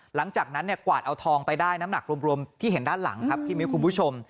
หลังจากนั้นเนี่ยกวาดเอาทองไปได้น้ำหนักรวมที่เห็นด้านหลังครับพี่มิ้วคุณผู้ชม